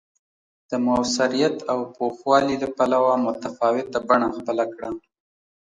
د موثریت او پوخوالي له پلوه متفاوته بڼه خپله کړه